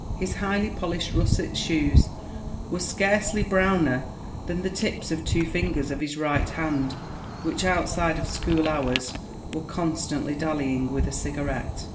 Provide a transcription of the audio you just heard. His highly polished russet shoes were scarcely browner than the tips of two fingers of his right hand, which outside of school hours were constantly dallying with a cigarette.